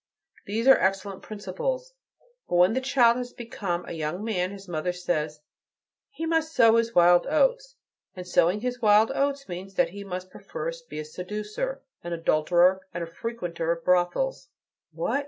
These are excellent principles. But when the child has become a young man his mother says, 'He must sow his wild oats.' And sowing his wild oats means that he must perforce be a seducer, an adulterer, and a frequenter of brothels. What?